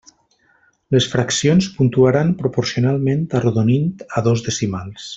Les fraccions puntuaran proporcionalment arrodonint a dos decimals.